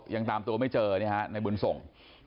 ยังตามตัวไม่เจอในบุญส่ง